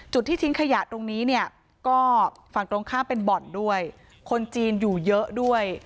ที่ทิ้งขยะตรงนี้เนี่ยก็ฝั่งตรงข้ามเป็นบ่อนด้วยคนจีนอยู่เยอะด้วย